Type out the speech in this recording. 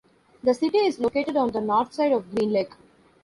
The city is located on the north side of Green Lake.